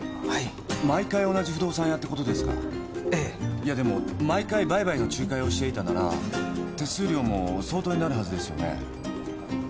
いやでも毎回売買の仲介をしていたなら手数料も相当になるはずですよね？